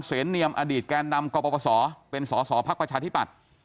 เสนเนียมอดีตแกนดำกปศเป็นสศพักพลังประชาธิตรัฐ